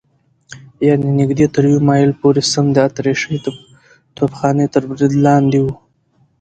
یعنې نږدې تر یوه مایل پورې سم د اتریشۍ توپخانې تر برید لاندې و.